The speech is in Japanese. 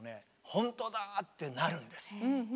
ほんとだ！ってなるんですよ。